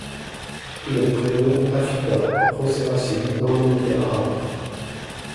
Le prénom Afida prend ses racines dans le monde arabe.